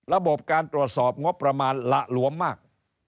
ระบบการตรวจสอบงบประมาณหละหลวมมาก